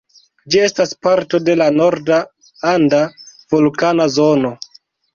Ĝi estas parto de la Norda Anda Vulkana Zono.